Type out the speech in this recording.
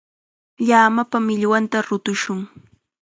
Llamapa millwanta rutushun.